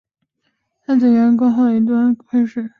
碳原子编号从靠近羰基的一端开始。